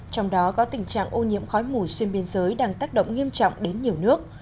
trong đó có tình trạng ô nhiễm khói mù xuyên biên giới đang tác động nghiêm trọng đến nhiều nước